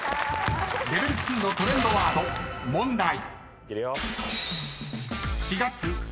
［ＬＥＶＥＬ．２のトレンドワード問題］